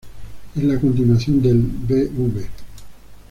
Es la continuación del "Bv.